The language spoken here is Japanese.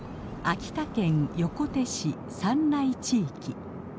秋田県横手市山内地域。